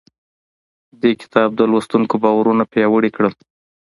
دې کتاب د لوستونکو باورونه پیاوړي کړل.